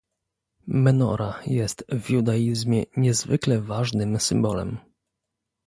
Menora jest w Judaizmie niezwykle ważnym symbolem.